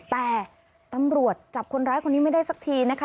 แต่ตำรวจจับคนร้ายคนนี้ไม่ได้สักทีนะคะ